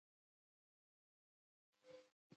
د انګلیسي ژبې زده کړه مهمه ده ځکه چې خوشحالي زیاتوي.